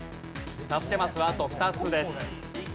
助けマスはあと２つです。